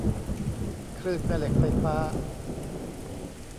คลื่นแม่เหล็กไฟฟ้า